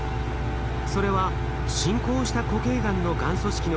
それは進行した固形がんのがん組織の